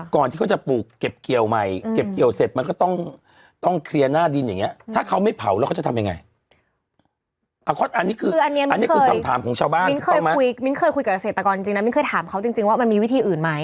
มิ้นเคยคุยกับเศรษฐกรจริงน่ะมิ้นเคยถามเค้าจริงว่ามันมีวิธีอื่นไหม